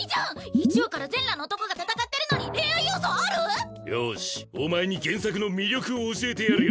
１話から全裸の男が戦ってるのに恋愛要素ある⁉よしお前に原作の魅力を教えてやるよ。